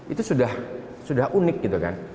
itu sudah unik gitu kan